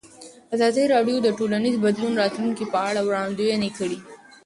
ازادي راډیو د ټولنیز بدلون د راتلونکې په اړه وړاندوینې کړې.